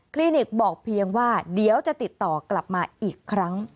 ลินิกบอกเพียงว่าเดี๋ยวจะติดต่อกลับมาอีกครั้ง